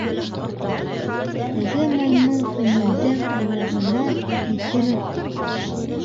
Теге маймыл Фәнилдең аяғына килтереп типте: